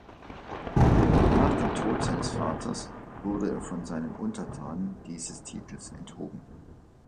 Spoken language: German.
Nach dem Tod seines Vaters wurde er von seinen Untertanen dieses Titels enthoben.